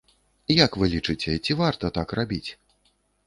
Як вы лічыце, ці варта так рабіць?